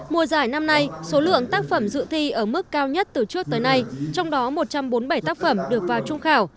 mùa giải năm nay số lượng tác phẩm dự thi ở mức cao nhất từ trước tới nay trong đó một trăm bốn mươi bảy tác phẩm được vào trung khảo